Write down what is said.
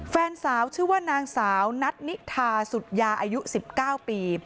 แฟนสาวชื่อว่านางสาวนัทนิทาสุดยาอายุ๑๙ปี